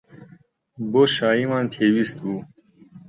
بۆشاییمان پێویست بوو.